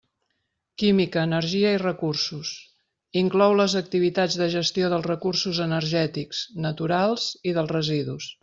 Química, energia, i recursos: inclou les activitats de gestió dels recursos energètics, naturals i dels residus.